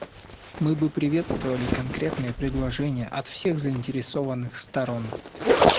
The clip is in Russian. Мы бы приветствовали конкретные предложения от всех заинтересованных сторон.